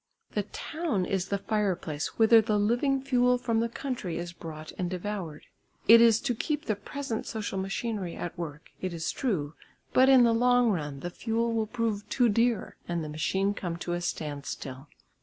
The town is the fire place whither the living fuel from the country is brought and devoured; it is to keep the present social machinery at work, it is true, but in the long run the fuel will prove too dear, and the machine come to a standstill.